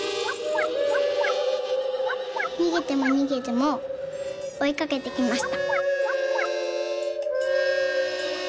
「にげてもにげてもおいかけてきました」。